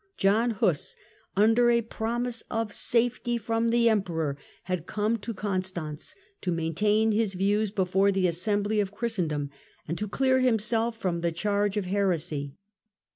John Huss, under a promise of safety from the Emperor, had come to Constance to maintain his views before the Assembly of Treatment Christendom, and to clear himself from the charge of heresy.